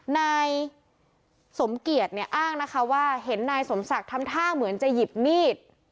นายสมเกียจเนี่ยอ้างนะคะว่าเห็นนายสมศักดิ์ทำท่าเหมือนจะหยิบมีด